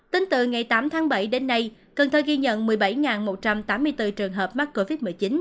tính từ ngày tám tháng bảy đến nay cần thơ ghi nhận một mươi bảy một trăm tám mươi bốn trường hợp mắc covid một mươi chín